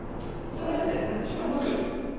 取られてしまいますよ。